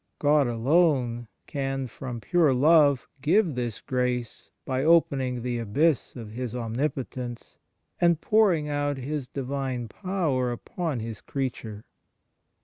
God alone can, from pure love, give this grace by opening the abyss of His omnipotence, and pouring out His Divine power upon His creature.